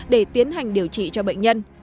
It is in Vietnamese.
để tiến hành điều trị cho bệnh nhân